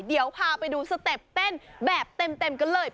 เดี๋ยวพาไปดูสเต็ปเต้นแบบเต็มกันเลย